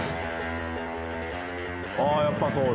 ああーやっぱそうだ。